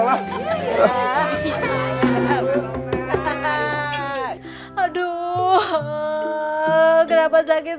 aduh kenapa sakit